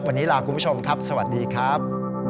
วันนี้ลาคุณผู้ชมครับสวัสดีครับ